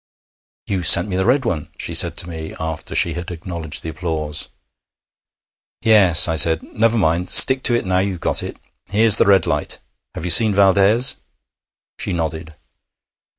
'You sent me the red one,' she said to me, after she had acknowledged the applause. 'Yes,' I said. 'Never mind; stick to it now you've got it. Here's the red light. Have you seen Valdès?' She nodded.